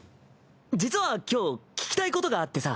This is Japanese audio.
実は今日聞きたいことがあってさ。